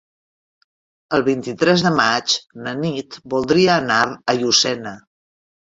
El vint-i-tres de maig na Nit voldria anar a Llucena.